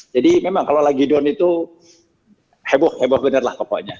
memang kalau lagi down itu heboh heboh bener lah pokoknya